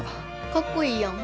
かっこいいやん。